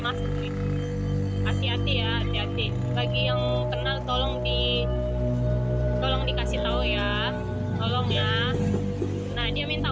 mas hati hati ya hati hati bagi yang kenal tolong di tolong dikasih tahu ya tolong ya nah dia minta